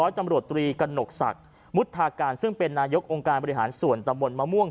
ตำรวจตรีกระหนกศักดิ์มุทาการซึ่งเป็นนายกองค์การบริหารส่วนตำบลมะม่วง